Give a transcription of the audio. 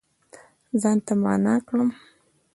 ځان ته معنا کړم